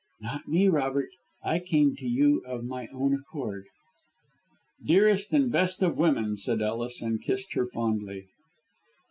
"Not me, Robert. I came to you of my own accord." "Dearest and best of women," said Ellis, and kissed her fondly.